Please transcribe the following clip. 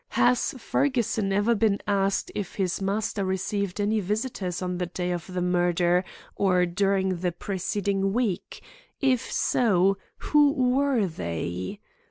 "'Has Fergusson ever been asked if his master received any visitors on the day of the murder or during the preceding week? If so, who were they?